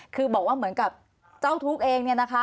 คือบอกว่าเหมือนกับเจ้าทุกข์เองเนี่ยนะคะ